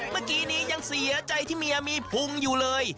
เมื่อกี้นี้ยังเสียใจที่เมียมีพุงอยู่เลย